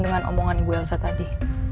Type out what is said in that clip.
dengan omongan ibu elsa tadi